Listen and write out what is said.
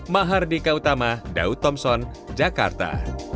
ma har di kautama daud thompson jakarta